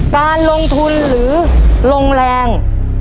การลงทุนหรือลงแรง